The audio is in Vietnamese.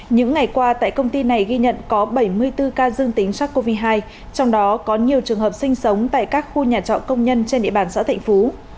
những ngày qua tại công ty này ghi nhận có bảy mươi bốn ca dương tính sars cov hai trong đó có nhiều trường hợp sinh sống tại các khu nhà trọ công nhân trên địa bàn xã thạnh phú